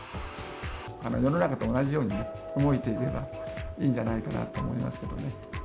世の中と同じようにね、動いていればいいんじゃないかなと思いますけどね。